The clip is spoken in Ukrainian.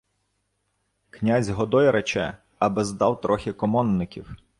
— Князь Годой рече, аби-с дав трохи комонників!